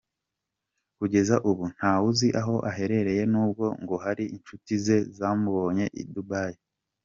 Kugeza ubu nta wuzi aho aherereye nubwo ngo hari inshuti ze zamubonye I Dubai.